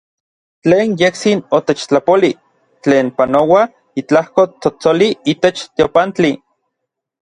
Tlen yejtsin otechtlapolij, tlen panoua itlajko tsotsoli itech teopantli.